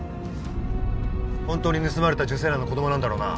本当に盗まれた受精卵の子供なんだろうな？